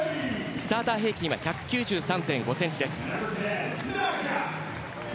スターター平均は１９３．５ｃｍ。